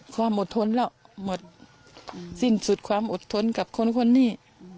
ความอดทนแล้วหมดสิ้นสุดความอดทนกับคนคนนี้